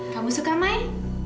kamu suka main